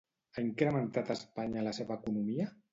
Ha incrementat Espanya la seva economia?